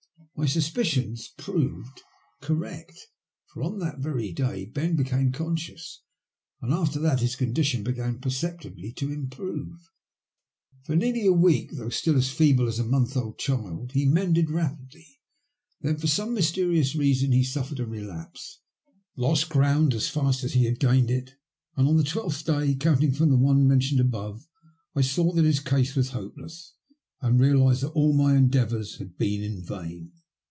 My suspicions proved correct, for on that very day Ben became conscious, and after that his condition began perceptibly to im prove. For nearly a week, though still as feeble as a month old child, he mended rapidly. Then, for some mysterious reason he suffered a relapse, lost ground as fast as he had gained it, and on the twelfth day, counting from the one mentioned above, I saw that his case was hopeless, and realised that all my endeavours had been in vain.